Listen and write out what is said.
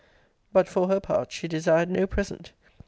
But, for her part, she desired no present.